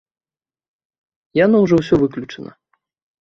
Яно ўжо ўсё выключана.